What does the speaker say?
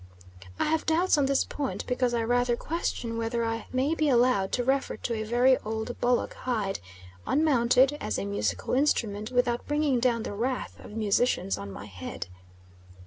I have doubts on this point because I rather question whether I may be allowed to refer to a very old bullock hide unmounted as a musical instrument without bringing down the wrath of musicians on my head.